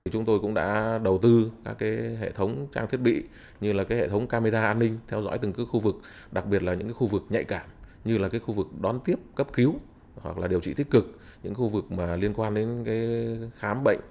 chúng tôi cũng đã đầu tư các hệ thống trang thiết bị như hệ thống camera an ninh theo dõi từng khu vực đặc biệt là những khu vực nhạy cảm như là khu vực đón tiếp cấp cứu hoặc điều trị tích cực những khu vực liên quan đến khám bệnh